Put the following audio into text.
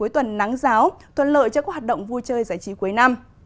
tháng giáo thuận lợi cho các hoạt động vui chơi giải trí cuối năm